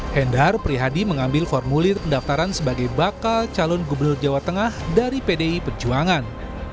hendar prihadi mengambil formulir pendaftaran sebagai bakal calon gubernur jawa tengah dari pdi perjuangan